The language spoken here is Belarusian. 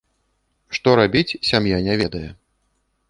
Што рабіць, сям'я не ведае.